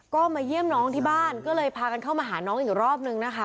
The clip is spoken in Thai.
ก็มาเยี่ยมน้องที่บ้านก็เลยพากันเข้ามาหาน้องอีกรอบนึงนะคะ